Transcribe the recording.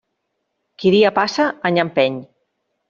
Qui dia passa, any empeny.